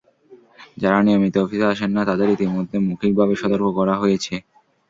যাঁরা নিয়মিত অফিসে আসেন না, তাঁদের ইতিমধ্যে মৌখিকভাবে সতর্ক করা হয়েছে।